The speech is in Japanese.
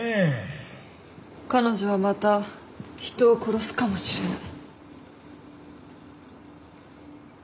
彼女はまた人を殺すかもしれない。